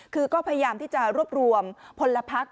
คือก็พยายามที่จะรวบรวมพลพัก